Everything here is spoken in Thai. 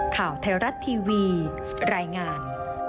ข่าวไทยรัฐทีวีรายงาน